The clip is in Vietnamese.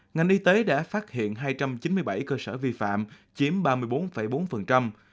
ngành y tế đã phát hiện hai trăm chín mươi bảy cơ sở vi phạm chiếm ba mươi bốn bốn